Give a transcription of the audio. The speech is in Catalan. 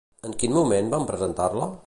En quin moment van presentar-la?